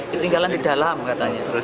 ketinggalan di dalam katanya